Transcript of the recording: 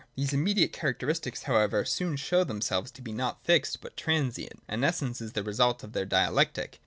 These immediate characteristics how ever soon show themselves to be not fixed but transient ; and Essence is the result of their dialectic.